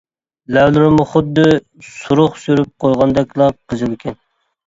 لەۋلىرىمۇ خۇددى سۇرۇخ سۈرۈپ قويغاندەكلا قىزىلكەن.